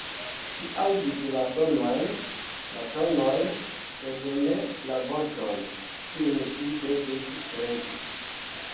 Ŝi aŭdis la sonojn, la tonojn, sed ne la vorton, kiun ŝi devis kredi.